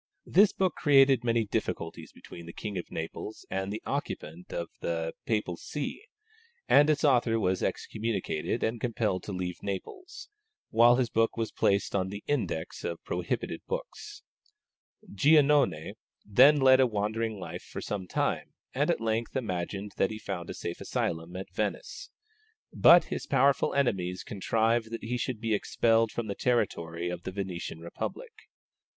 This book created many difficulties between the King of Naples and the occupant of the Papal See, and its author was excommunicated and compelled to leave Naples, while his work was placed on the index of prohibited books. Giannone then led a wandering life for some time, and at length imagined that he had found a safe asylum at Venice. But his powerful enemies contrived that he should be expelled from the territory of the Venetian republic.